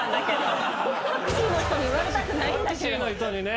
タクシーの人にね。